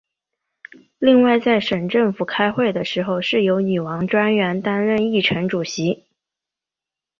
另外在省政府开会的时候是由女王专员担任议程主席。